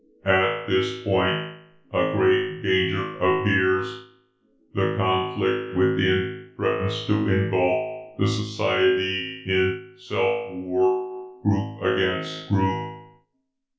"At this point, a great danger appears. The conflict within threatens to engulf the society in self war, group against group.